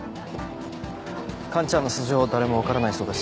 カンちゃんの素性誰も分からないそうです。